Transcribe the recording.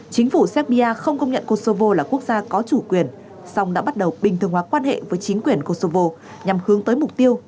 chính phủ serbia không công nhận kosovo là quốc gia có chủ quyền song đã bắt đầu bình thường hóa quan hệ với chính quyền kosovo nhằm hướng tới mục tiêu